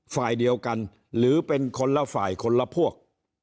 ฝ่ายเดียวกันหรือเป็นคนละฝ่ายคนละพวก